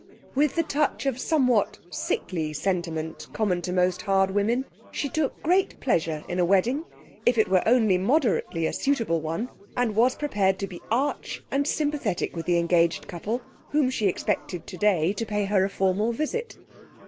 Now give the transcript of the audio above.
With the touch of somewhat sickly sentiment common to most hard women, she took great pleasure in a wedding (if it were only moderately a suitable one), and was prepared to be arch and sympathetic with the engaged couple whom she expected today to pay her a formal visit.